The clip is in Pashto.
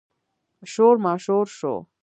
شور ماشور شو.